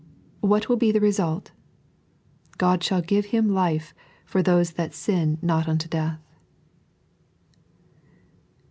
What will be the result? "God ahall give him life for those that sin not unto death."